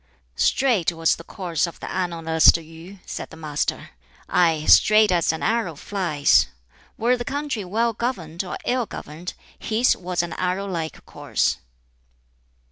"Straight was the course of the Annalist Yu," said the Master "aye, straight as an arrow flies; were the country well governed or ill governed, his was an arrow like course.